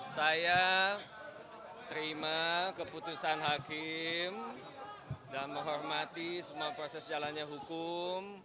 saya terima keputusan hakim dan menghormati semua proses jalannya hukum